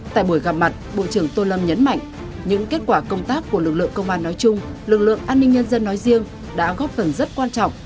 tại buổi gặp mặt bộ trưởng tô lâm nhấn mạnh những kết quả công tác của lực lượng công an nói chung lực lượng an ninh nhân dân nói riêng đã góp phần rất quan trọng